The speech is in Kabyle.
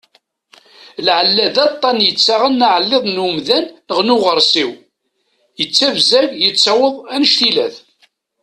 Lɛella d aṭan yettaɣen aɛelliḍ n umdan neɣ n uɣarsiw, yettabzag yettaweḍ anec-ilat.